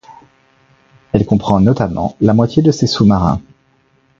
Elle comprend notamment la moitié de ses sous-marins.